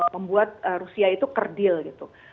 membuat rusia itu kerdil gitu